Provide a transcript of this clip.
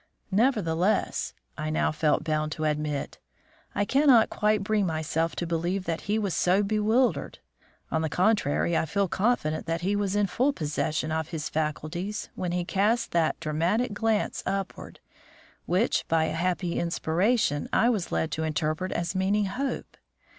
"Nevertheless," I now felt bound to admit, "I cannot quite bring myself to believe that he was so bewildered. On the contrary, I feel confident that he was in full possession of his faculties when he cast that dramatic glance upward, which, by a happy inspiration, I was led to interpret as meaning Hope.